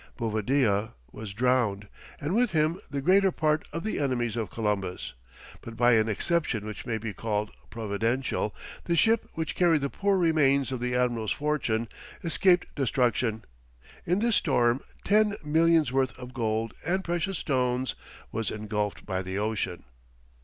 Bovadilla was drowned, and with him the greater part of the enemies of Columbus, but by an exception which may be called providential, the ship which carried the poor remains of the admiral's fortune, escaped destruction. In this storm ten millions' worth of gold and precious stones was engulfed by the ocean.